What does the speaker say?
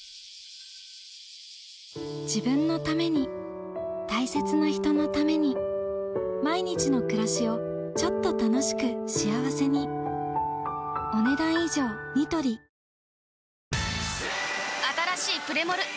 自分のために大切な人のために毎日の暮らしをちょっと楽しく幸せにあたらしいプレモル！